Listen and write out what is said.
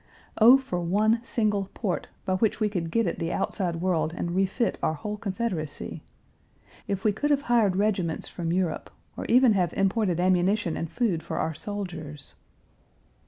Oh, for one single port by which we could get at the outside world and refit our whole Confederacy! If we could have hired regiments from Europe, or even have imported ammunition and food for our soldiers!